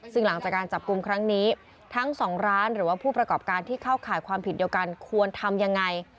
ซึ่งหลังจากการจับกลุ่มครั้งนี้ทั้งสองร้านหรือว่าผู้ประกอบการที่เข้าข่ายความผิดเดียวกันควรทำยังไง